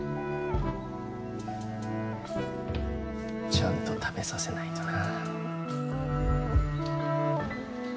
ちゃんと食べさせないとな。